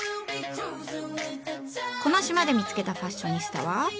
この島で見つけたファッショニスタは。